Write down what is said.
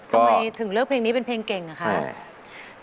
ทำไมถึงเลือกเพลงนี้เป็นเพลงเก่งอะคะ